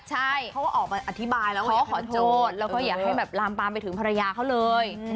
ใช่เขาก็ออกมาอธิบายแล้วเขาก็ขอโทษแล้วก็อย่าให้แบบลามปามไปถึงภรรยาเขาเลย